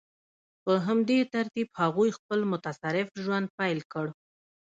په همدې ترتیب هغوی خپل متصرف ژوند پیل کړ.